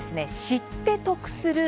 「知って得する！